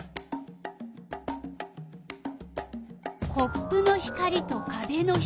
コップの光とかべの光。